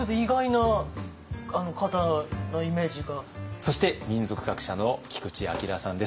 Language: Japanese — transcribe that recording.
そして民俗学者の菊地暁さんです。